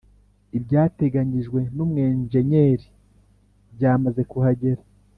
ibyateganyijwe numwenjenyeri byamaze kuhagera